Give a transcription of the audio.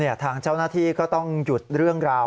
ทางเจ้าหน้าที่ก็ต้องหยุดเรื่องราว